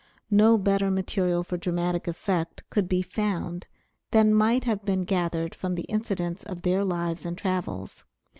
No better material for dramatic effect could be found than might have been gathered from the incidents of their lives and travels.